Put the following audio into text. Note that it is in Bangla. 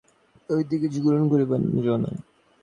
আবার যথেচ্ছভাবে কাহারও নিকট হইতে কিছু গ্রহণ করিবার যো নাই।